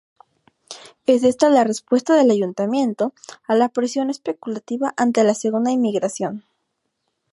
Es esta la respuesta del Ayuntamiento a la presión especulativa ante la segunda inmigración.